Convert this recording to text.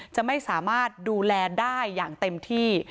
จะไม่สามารถดูแลได้อย่างเต็มที่